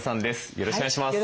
よろしくお願いします。